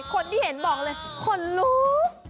คนที่เห็นบอกเลยคนลุก